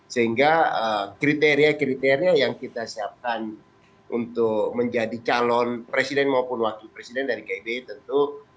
sehingga kriteria kriteria yang kita siapkan untuk menjadi calon presiden maupun wakil presiden dari kib tentu